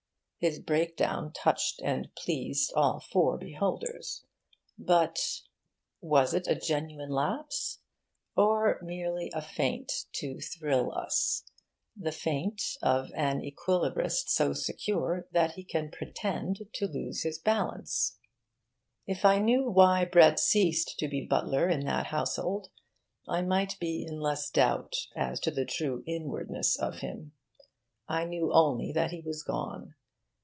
His breakdown touched and pleased all four beholders. But was it a genuine lapse? Or merely a feint to thrill us? the feint of an equilibrist so secure that he can pretend to lose his balance? If I knew why Brett ceased to be butler in that household, I might be in less doubt as to the true inwardness of him. I knew only that he was gone.